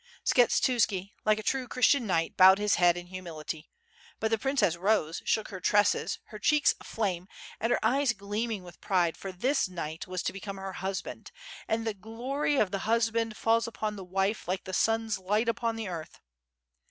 '' Skshetuski, like a true Christian knight, bowed his head in humility; but the princess rotse, shook her tresses, her cheeks aflame, and her eyes gleaming with pride, for this knight was to become her husband, and the glory of the hus band falls upon the wife like the sun's light upon the earth.